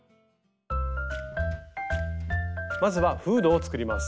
まずはフードを作ります。